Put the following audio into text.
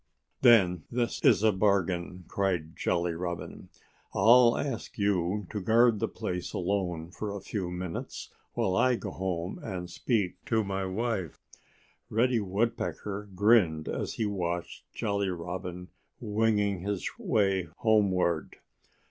"Then this is a bargain!" cried Jolly Robin. "I'll ask you to guard the place alone for a few minutes while I go home and speak to my wife." Reddy Woodpecker grinned as he watched Jolly Robin winging his way homeward.